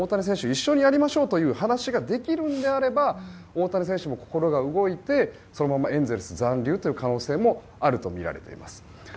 一緒にやりましょうという話ができるのであれば大谷選手も心が動いて、そのままエンゼルス残留の可能性もあるとみられています。